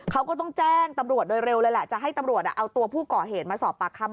เขาก็ต้องแจ้งตำรวจโดยเร็วเลยแหละจะให้ตำรวจเอาตัวผู้ก่อเหตุมาสอบปากคำ